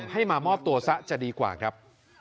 ให้มามอบตัวซะจะดีกว่าครับ